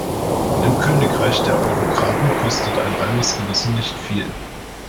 Im Königreich der Eurokraten kostet ein reines Gewissen nicht viel.